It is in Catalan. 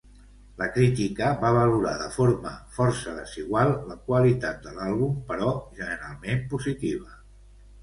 La crítica va valorar de forma força desigual la qualitat de l'àlbum però generalment positiva.